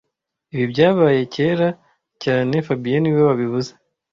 Ibi byabaye kera cyane fabien niwe wabivuze